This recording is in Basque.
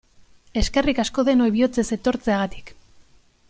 Eskerrik asko denoi bihotzez etortzeagatik!